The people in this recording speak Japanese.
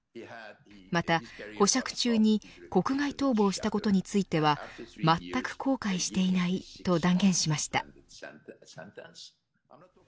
また、保釈中に国外逃亡をしたことについてはまったく後悔していないと断言しました。